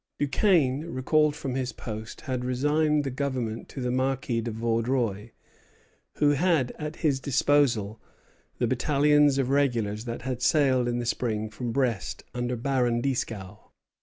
Duquesne, recalled from his post, had resigned the government to the Marquis de Vaudreuil, who had at his disposal the battalions of regulars that had sailed in the spring from Brest under Baron Dieskau.